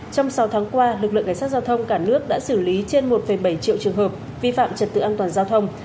trong sáu tháng qua lực lượng cảnh sát giao thông cả nước đã xử lý trên một bảy triệu trường hợp vi phạm trật tự an toàn giao thông